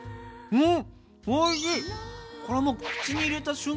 うん。